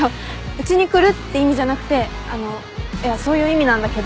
うちに来るって意味じゃなくてあのいやそういう意味なんだけど。